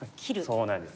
そうなんです。